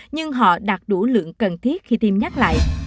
nhưng họ đạt đủ lượng cần thiết khi tiêm nhắc lại